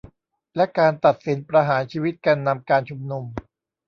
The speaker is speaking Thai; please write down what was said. และการตัดสินประหารชีวิตแกนนำการชุมนุม